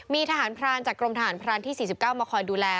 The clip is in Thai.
มีทหารพรานจากกรมทหารพรานที่๔๙มาคอยดูแล